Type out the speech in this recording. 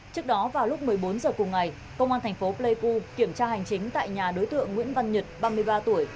trước đó vào lúc một mươi bốn h cùng ngày công an thành phố pleiku kiểm tra hành chính tại nhà đối tượng nguyễn văn nhật ba mươi ba tuổi